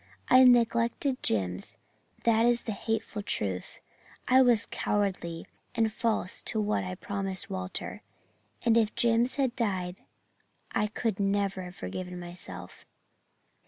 I neglected Jims that is the hateful truth I was cowardly and false to what I promised Walter and if Jims had died I could never have forgiven myself.